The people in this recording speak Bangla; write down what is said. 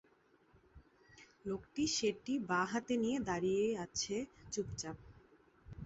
লোকটি সেটি বাঁ হাতে নিয়ে দাঁড়িয়ে আছে চুপচাপ।